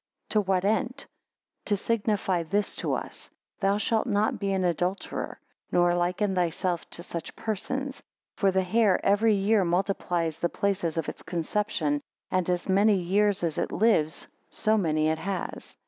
To what end? To signify this to us; Thou shalt not be an adulterer, nor liken thyself to such persons. For the hare every year multiplies the places of its conception; and as many years as it lives, so many it has.